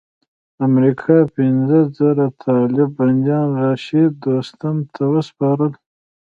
امریکا پنځه زره طالب بندیان رشید دوستم ته وسپارل.